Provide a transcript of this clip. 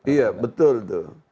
iya betul itu